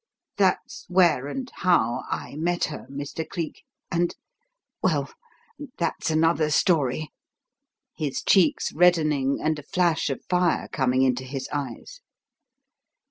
That's where and how I met her, Mr. Cleek, and Well, that's another story!" his cheeks reddening and a flash of fire coming into his eyes.